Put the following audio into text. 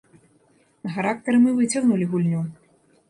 На характары мы выцягнулі гульню.